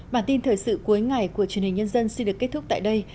bản tin thời sự cuối ngày của truyền hình nhân dân xin được kết thúc tại đây